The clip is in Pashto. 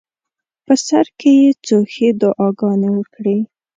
په سر کې یې څو ښې دعاګانې وکړې.